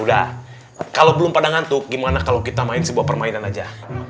udah kalau belum pada ngantuk gimana kalau kita main sebuah permainan aja